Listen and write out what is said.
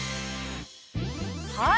◆はい。